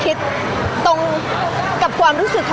พี่ตอบได้แค่นี้จริงค่ะ